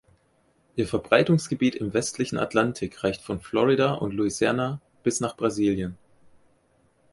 Ihr Verbreitungsgebiet im westlichen Atlantik reicht von Florida und Louisiana bis nach Brasilien.